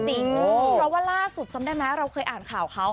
เพราะว่าล่าสุดจำได้ไหมเราเคยอ่านข่าวเขา